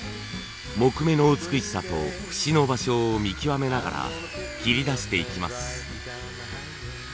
木目の美しさと節の場所を見極めながら切り出していきます。